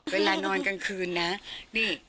เวลานอนกลางคืนนะนี่